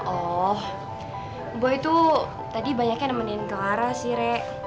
oh boy tuh tadi banyaknya nemenin clara sih rek